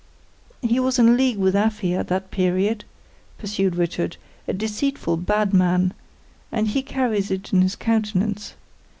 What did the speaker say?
"He was in league with Afy, at that period," pursued Richard; "a deceitful, bad man; and he carries it in his countenance.